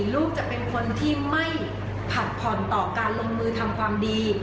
ลูกจะเป็นคนที่ไม่ผัดผ่อนต่อการลงมือทำความดี